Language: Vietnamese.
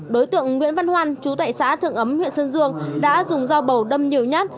đối tượng nguyễn văn hoan chú tại xã thượng ấm huyện sơn dương đã dùng dao bầu đâm nhiều nhát